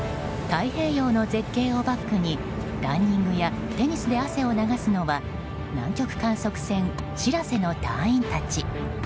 太平洋の絶景をバックにランニングやテニスで汗を流すのは南極観測船「しらせ」の隊員たち。